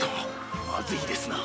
まずいですな。